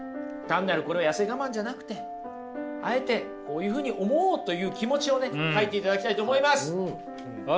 単なるこれは痩せ我慢じゃなくてあえてこういうふうに思おうという気持ちをね書いていただきたいと思います！